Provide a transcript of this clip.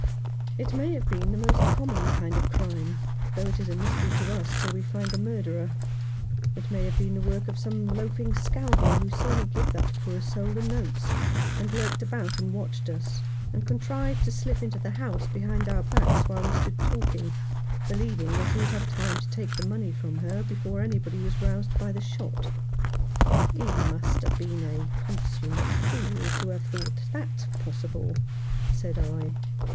"It may have been the most common kind of crime, though it is a mystery to us till we find the murderer. It may have been the work of some loafing scoundrel who saw me give that poor soul the notes, and lurked about and watched us, and contrived to slip into the house behind our backs while we stood talking, believing that he would have time to take the money from her before anybody was roused by the shot." " He must have been a consummate fool to have thought that possible," said I.